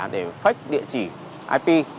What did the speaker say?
để phách địa chỉ ip